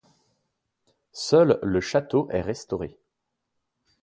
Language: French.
Seul le château est restauré.